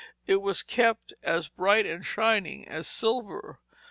It was kept as bright and shining as silver.